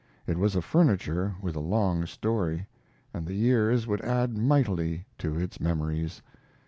It was a furniture with a long story, and the years would add mightily to its memories.